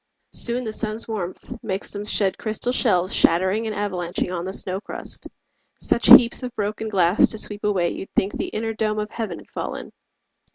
Soon the sun's warmth makes them shed crystal shells Shattering and avalanching on the snow crust Such heaps of broken glass to sweep away You'd think the inner dome of heaven had fallen.